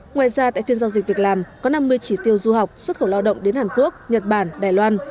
ngoài ra tại phiên giao dịch việc làm có năm mươi chỉ tiêu du học xuất khẩu lao động đến hàn quốc nhật bản đài loan